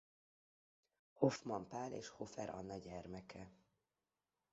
Hoffmann Pál és Hofer Anna gyermeke.